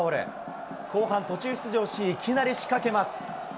後半途中出場し、いきなり仕掛けます。